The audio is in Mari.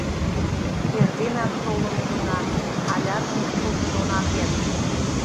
— Эрденак толын улына, алят мушкылтын она керт!